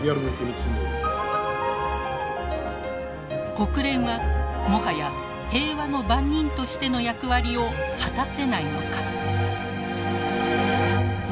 国連はもはや平和の番人としての役割を果たせないのか。